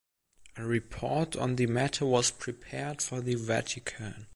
A report on the matter was prepared for the Vatican.